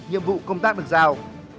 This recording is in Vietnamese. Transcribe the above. nhiệm vụ công tác được giao